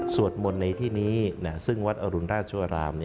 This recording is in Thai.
มนต์ในที่นี้ซึ่งวัดอรุณราชวราม